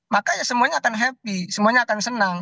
maka ya semuanya akan happy semuanya akan senang